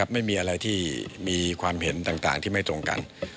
ไม่มีอะไรที่มีความเห็นต่างที่ไม่ตรงกัน